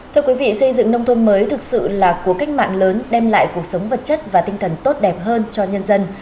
thưa quý vị xây dựng nông thôn mới thực sự là cuộc cách mạng lớn đem lại cuộc sống vật chất và tinh thần tốt đẹp hơn cho nhân dân